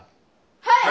はい！